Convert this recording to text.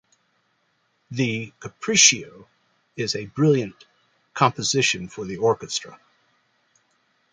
The "Capriccio" is a brilliant "composition for the orchestra".